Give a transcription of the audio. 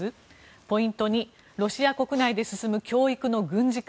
ポイント２ロシア国内で進む教育の軍事化。